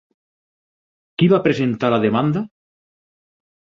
Qui va presentar la demanda?